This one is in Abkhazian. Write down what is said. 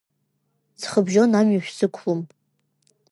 Цхыбжьон амҩа шәзықәлом.